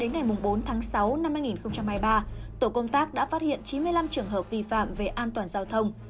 ngày bốn tháng sáu năm hai nghìn hai mươi ba tổ công tác đã phát hiện chín mươi năm trường hợp vi phạm về an toàn giao thông